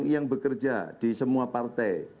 yang bekerja di semua partai